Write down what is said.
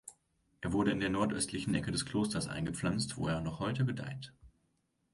Er wurde in der nordöstlichen Ecke des Klosters eingepflanzt, wo er noch heute gedeiht.